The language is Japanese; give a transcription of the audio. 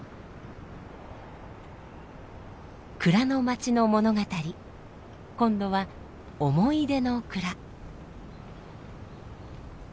蔵の街の物語今度は思い出の蔵。